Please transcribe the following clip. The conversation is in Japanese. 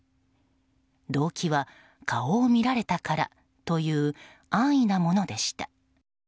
動機は、顔を見られたからという安易なものでした。